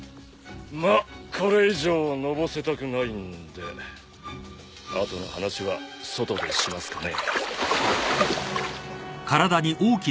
まあこれ以上のぼせたくないんで後の話は外でしますかね。